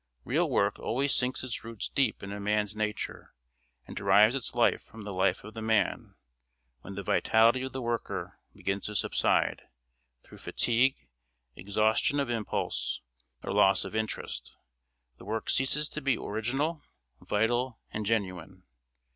Real work always sinks its roots deep in a man's nature, and derives its life from the life of the man; when the vitality of the worker begins to subside, through fatigue, exhaustion of impulse, or loss of interest, the work ceases to be original, vital, and genuine.